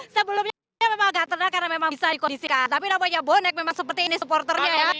sebelumnya memang agak tenang karena memang bisa dikondisikan tapi namanya bonek memang seperti ini supporternya ya